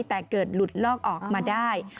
แต่เกิดหลุดลอกออกมาได้